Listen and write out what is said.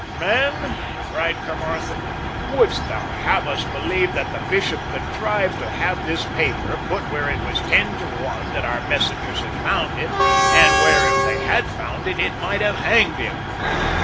"Man," cried Caermarthen, "wouldst thou have us believe that the Bishop contrived to have this paper put where it was ten to one that our messengers had found it, and where, if they had found it, it might have hanged him?"